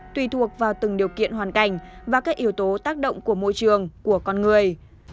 tùy thuộc vào từng điều kiện hoàn cảnh và các yếu tố tác động của môi trường của con người